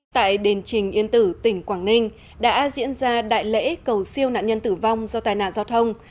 tại đền trình yên tử tỉnh quảng ninh đã diễn ra đại lễ cầu siêu nạn nhân tử vong do tai nạn giao thông